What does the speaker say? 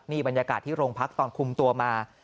นี่บรรยากาศที่โรงพักตอนคุมตัวมา